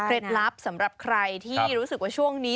ลับสำหรับใครที่รู้สึกว่าช่วงนี้